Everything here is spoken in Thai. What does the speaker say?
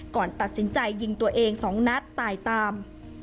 ก่อนตัดสินใจยิงตัวเอง๒นัดตายตาม